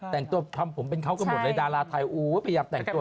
แต่งตัวทำผมเป็นเขากันหมดเลยดาราไทยโอ้พยายามแต่งตัว